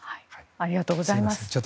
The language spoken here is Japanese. ありがとうございます。